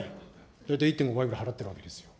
だって１．５倍ぐらい払っているわけですから。